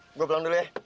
oke gue pulang dulu ya